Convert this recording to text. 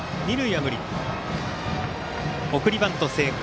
送りバント成功。